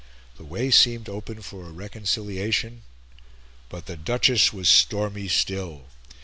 The way seemed open for a reconciliation, but the Duchess was stormy still.